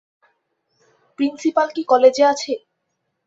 Principal কি কলেজে আছে?